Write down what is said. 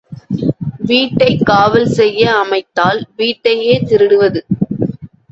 வீட்டைக் காவல் செய்ய அமைத்தால் வீட்டையே திருடுவது!